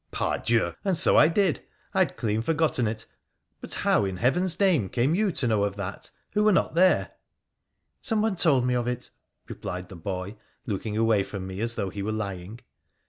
' Par Dieu ! and so I did. I had clean forgotten it ! But how, in Heaven's name, came you to know of that, who were not there ?'' Some one told me of it,' replied the boy, looking away from me, as though he were lying.